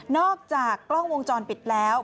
อกจากกล้องวงจรปิดแล้ว